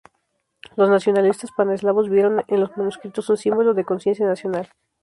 Los nacionalistas pan-eslavos vieron en los manuscritos un símbolo de conciencia nacional.